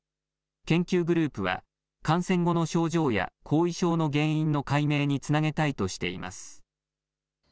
研究グループは感染後の症状や後遺症の原因の解明につなげたいとしています。